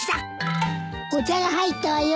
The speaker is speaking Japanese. お茶が入ったわよ。